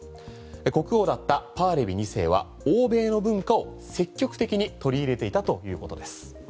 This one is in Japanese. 国王だったパーレビ２世は欧米の文化を積極的に取り入れていたということです。